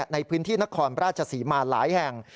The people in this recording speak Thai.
ในพื้นที่นครพระอาจจะสีมาหลายแห่ง